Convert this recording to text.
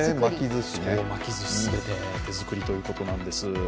巻きずし、すべて手作りということなんです。